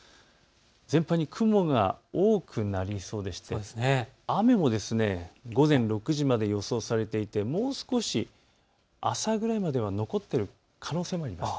全般的に雲が多くなりそうで雨も午前６時から予想されていてもう少し、朝ぐらいまでは残っている可能性もあります。